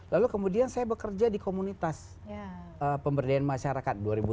lalu kemudian saya bekerja di komunitas pemberdayaan masyarakat